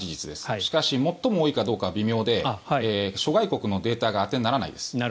しかし最も多いかどうかは微妙で諸外国のデータが当てにならないです。